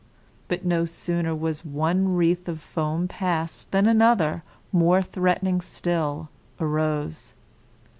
But no sooner was one wreath of foam passed, than another, more threatening still, arose.